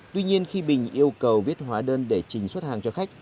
tuy nhiên khi bình yêu cầu viết hóa đơn để trình xuất hàng cho khách